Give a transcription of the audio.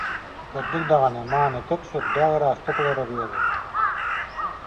Кырдьык даҕаны, маанытык, сүрдээх ыраастык олорор ыал эбит